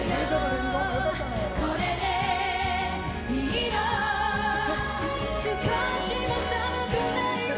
「これでいいの少しも寒くないわ」